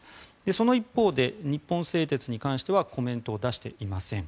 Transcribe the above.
その一方で日本製鉄に関してはコメントを出していません。